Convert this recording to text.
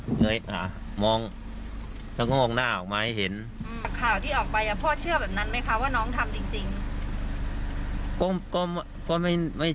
แล้วถ้าเป็นอย่างนั้นจริงพ่อพ่อจะยอมรับความจริงไหม